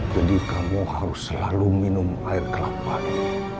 jadi kamu harus selalu minum air kelapa ini